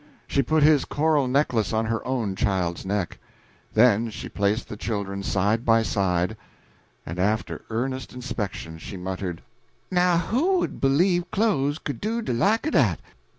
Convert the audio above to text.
She put his coral necklace on her own child's neck. Then she placed the children side by side, and after earnest inspection she muttered "Now who would b'lieve clo'es could do de like o' dat?